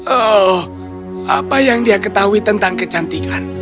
oh apa yang dia ketahui tentang kecantikan